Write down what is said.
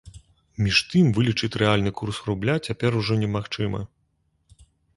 Між тым вылічыць рэальны курс рубля цяпер ужо не магчыма.